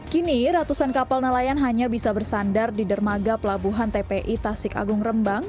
kini ratusan kapal nelayan hanya bisa bersandar di dermaga pelabuhan tpi tasik agung rembang